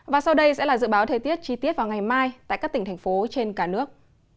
và sau đây sẽ là dự báo thời tiết chi tiết vào ngày mai tại các tỉnh thành phố trên cả nước